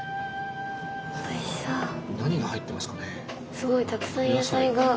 すごいたくさん野菜が。